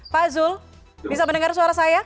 pak zul bisa mendengar suaranya